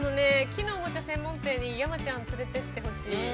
◆木のおもちゃ専門店に山ちゃん連れていってほしい。